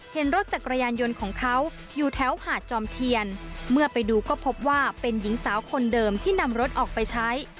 เห็นรถจักรยานยนต์ของเขาอยู่แถวหาดจอมเทียนเมื่อไปดูก็พบว่าเป็นหญิงสาวคนเดิมที่นำรถออกไปใช้